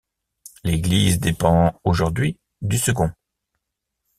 L'église dépend aujourd'hui du second.